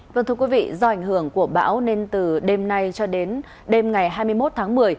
vâng thưa quý vị do ảnh hưởng của bão nên từ đêm nay cho đến đêm ngày hai mươi một tháng một mươi